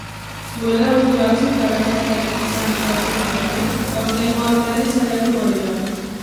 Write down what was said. Duela urte batzuk arrakastarik izan ez bazuten ere, aurtengoan berriz saiatuko dira.